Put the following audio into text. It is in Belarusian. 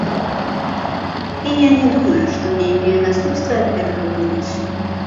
І я не думаю, што нейкія наступствы ад гэтага будуць.